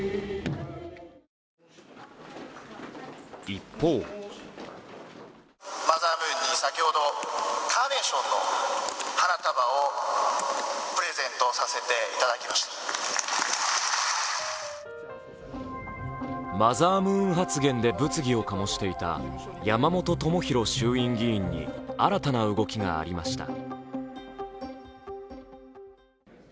一方マザームーン発言で物議を醸していた山本朋広衆院議員に新たな動きがありました。